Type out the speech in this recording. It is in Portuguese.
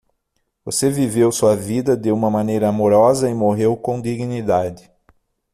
Você viveu sua vida de uma maneira amorosa e morreu com dignidade.